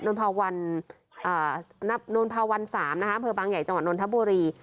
นพวัน๓เพือบางใหญ่จังหวัดนทบุรี